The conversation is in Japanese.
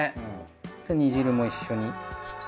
煮汁も一緒に。